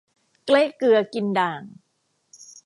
ใกล้เกลือกินด่าง